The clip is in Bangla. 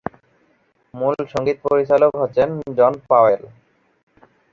মূল সঙ্গীত পরিচালক হচ্ছেন জন পাওয়েল।